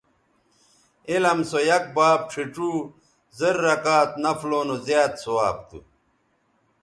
علم سویک باب ڇھیڇوزررکعت نفلوں نو زیات ثواب تھو